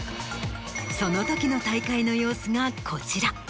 その時の大会の様子がこちら。